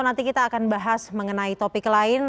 nanti kita akan bahas mengenai topik lain